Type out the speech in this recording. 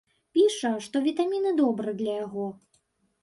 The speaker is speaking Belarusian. Піша, што вітаміны добра для яго.